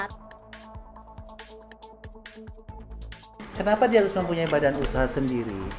kenapa dia harus mempunyai badan usaha sendiri